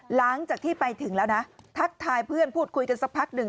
หลังจากที่ไปถึงแล้วนะทักทายเพื่อนพูดคุยกันสักพักหนึ่ง